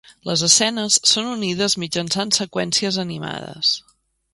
Les escenes són unides mitjançant seqüències animades.